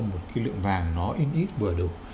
một cái lượng vàng nó ín ít vừa đủ